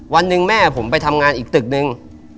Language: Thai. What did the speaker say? วันหนึ่งแม่ผมไปทำงานอีกตึกนึง